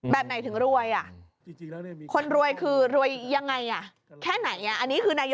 แบบไหนถึงรวย